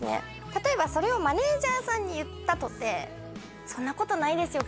例えばそれをマネージャーさんに言ったとてそんなことないですよ